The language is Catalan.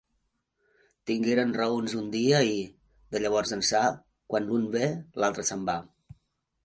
Tingueren raons un dia i, de llavors ençà, quan l'un ve, l'altre se'n va.